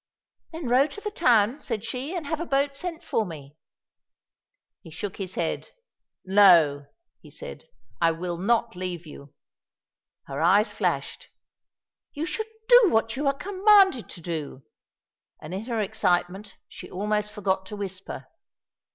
"Then row to the town," said she, "and have a boat sent for me." He shook his head. "No," he said, "I will not leave you." Her eyes flashed. "You should do what you are commanded to do!" and in her excitement she almost forgot to whisper.